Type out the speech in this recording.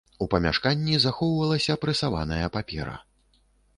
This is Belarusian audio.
У памяшканні захоўвалася прэсаваная папера.